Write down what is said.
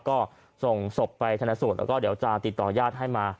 ก็ส่งศพไปชนะสูตรแล้วก็เดี๋ยวจะติดต่อญาติให้มา